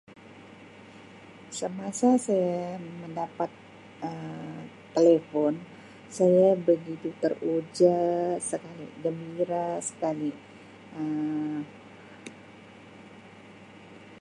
Samasa saya mendapat Um telefon saya begitu teruja sekali gembira sekali Um.